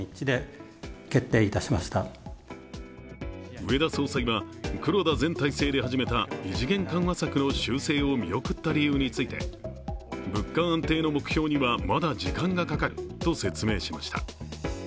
植田総裁は、黒田前体制で始めた異次元緩和策の修正を見送った理由について物価安定の目標にはまだ時間がかかると説明しました。